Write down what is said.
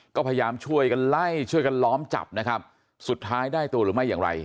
ก็พยายามช่วยกันไล่ช่วยกันล้อมจับนะครับสุดท้ายได้ตัวหรือไม่อย่างไร